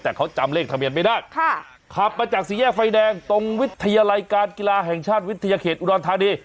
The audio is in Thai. แต่เขาจำเลขทะเบียนไม่ได้ค่ะขับมาจากสี่แยกไฟแดงตรงวิทยาลัยการกีฬาแห่งชาติวิทยาเขตอุดรธานี